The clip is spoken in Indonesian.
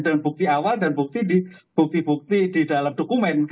dan bukti awal dan bukti di dalam dokumen